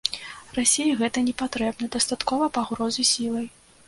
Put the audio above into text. Расіі гэта не патрэбна, дастаткова пагрозы сілай.